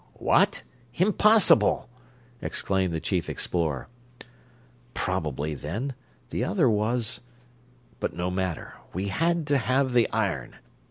"What? Impossible!" exclaimed the chief explorer. "Probably, then, the other was but no matter, we had to have the iron.